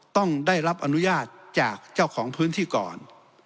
ต้องได้รับอนุญาตจากเจ้าของพื้นที่ก่อน